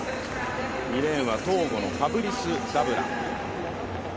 ２レーンはトーゴのファブリス・ダブラ。